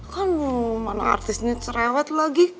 kan mau mana artisnya cerewet lagi